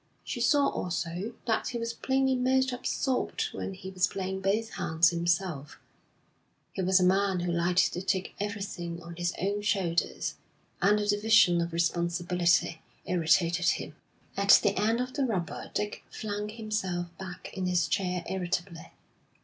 She saw, also, that he was plainly most absorbed when he was playing both hands himself; he was a man who liked to take everything on his own shoulders, and the division of responsibility irritated him. At the end of the rubber Dick flung himself back in his chair irritably.